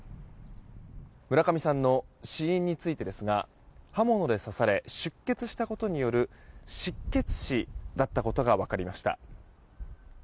村上さんの死因についてですが刃物で刺され出血したことによる失血死だったことが分かりました。